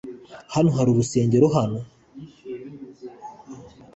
Hano hari urusengero hano.